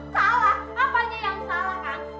salah apanya yang salah kan